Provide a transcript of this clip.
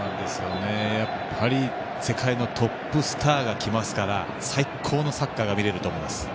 やっぱり世界のトップスターが来ますから最高のサッカーが見れると思います。